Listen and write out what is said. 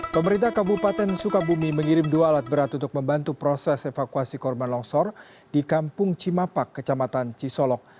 pemerintah kabupaten sukabumi mengirim dua alat berat untuk membantu proses evakuasi korban longsor di kampung cimapak kecamatan cisolok